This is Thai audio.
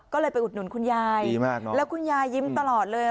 ก็เลยไปอุดหนุนคุณยายแล้วคุณยายยิ้มตลอดเลย